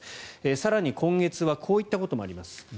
更に今月はこういったこともあります。